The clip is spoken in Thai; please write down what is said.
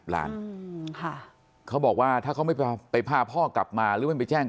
หลานค่ะเขาบอกว่าถ้าเขาไม่ไปพาพ่อกลับมาหรือไม่ไปแจ้ง